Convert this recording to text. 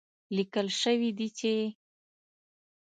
ليکل شوي دي چې